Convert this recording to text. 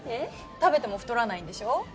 食べても太らないんでしょ？